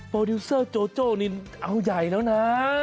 ดิวเซอร์โจโจ้นี่เอาใหญ่แล้วนะ